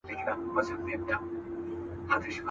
ته هم چا یې پر نزله باندي وهلی؟.